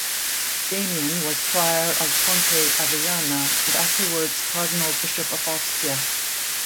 Damian was prior of Fonte Avellana and afterward Cardinal-Bishop of Ostia.